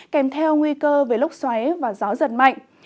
kèm theo nguy cơ về lốc xoáy và gió giật mạnh